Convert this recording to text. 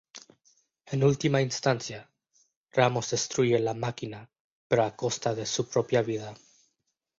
En última instancia, Ramos destruye la máquina, pero a costa de su propia vida.